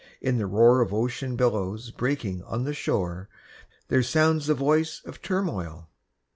In the roar Of ocean billows breaking on the shore There sounds the voice of turmoil.